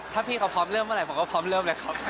ถ้าพี่เขาพร้อมเริ่มเมื่อไหร่ผมก็พร้อมเริ่มเลยครับ